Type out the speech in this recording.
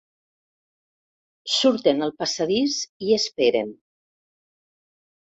Surten al passadís i esperen.